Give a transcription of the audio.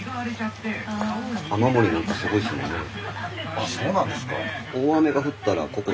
あっそうなんですか。